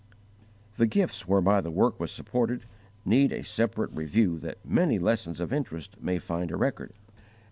The gifts whereby the work was supported need a separate review that many lessons of interest may find a record.